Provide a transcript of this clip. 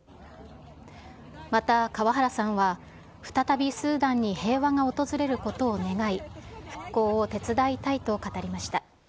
また、川原さんは再びスーダンに平和が訪れることを願い、復興を手伝いたいと語りました。